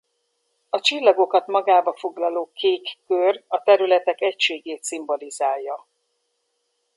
A csillagokat magába foglaló kék kör a területek egységét szimbolizálja.